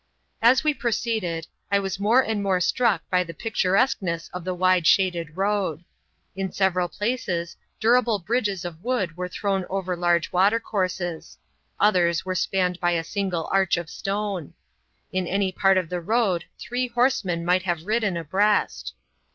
As we proceeded, I was more and more struck by the pictur* esqueness of the wide shaded road. In several places, durable bridges of wood were thrown over large watercourses ; others were spanned by a single arch of stone. In any part of the road three horsemen might have ridden abreast.